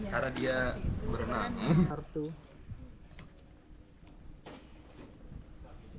karena dia berenang